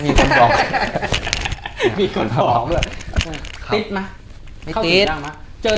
ตื่นเต้นแล้วเนี้ย